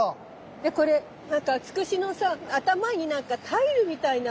でこれなんかツクシのさ頭に何かタイルみたいな。